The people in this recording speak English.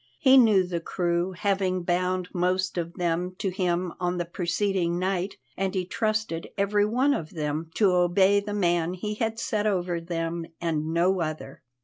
He knew the crew, having bound most of them to him on the preceding night, and he trusted every one of them to obey the man he had set over them and no other.